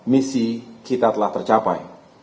misi kita telah tercapai